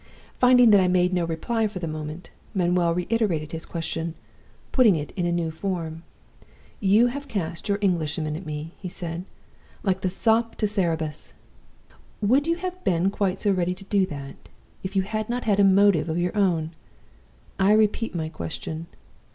"Finding that I made no reply for the moment, Manuel reiterated his question, putting it in a new form. "'You have cast your Englishman at me,' he said, 'like the sop to Cerberus. Would you have been quite so ready to do that if you had not had a motive of your own? I repeat my question.